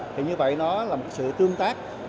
thì như vậy nó là một sự tương tác